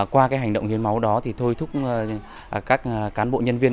qua cái hành động hiến máu đó thì thôi thúc các cán bộ nhân viên